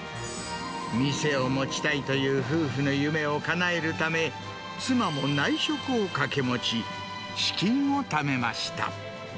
店を持ちたいという夫婦の夢をかなえるため、妻も内職を掛け持ち、資金をためました。